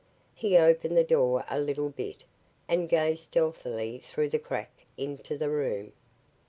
He opened the door a little bit and gazed stealthily through the crack into the room.